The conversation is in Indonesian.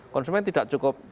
konsumen tidak cukup nyaman